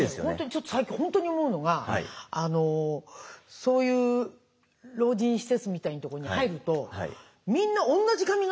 ちょっと最近本当に思うのがそういう老人施設みたいなところに入るとみんな同じ髪形になるじゃないですか。